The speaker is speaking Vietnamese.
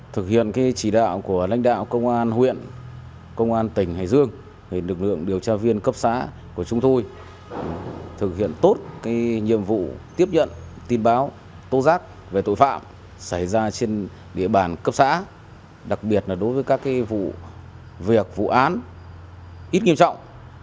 thực hiện cái chỉ đạo của lãnh đạo công an huyện công an tỉnh hải dương lực lượng điều tra viên cấp xã của chúng tôi thực hiện tốt cái nhiệm vụ tiếp nhận tin báo tố xác về tội phạm xảy ra trên địa bàn cấp xã đặc biệt là đối với các cái vụ việc vụ án ít nghiêm trọng